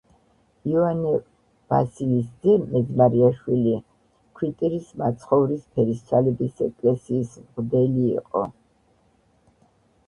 იოანე ვასილის ძე მეძმარიაშვილი ქვიტირის მაცხოვრის ფერისცვალების ეკლესიის მღვდელი იყო.